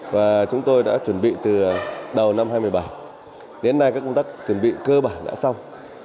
và chúng tôi đã chuẩn bị từ đầu năm hai nghìn một mươi bảy đến nay các công tác chuẩn bị cơ bản đã xong